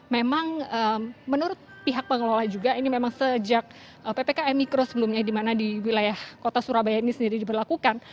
memang menurut pihak pengelola juga ini memang sejak ppkm mikro sebelumnya di mana di wilayah kota surabaya ini sendiri diberlakukan